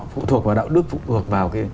phụ thuộc vào đạo đức phụ thuộc vào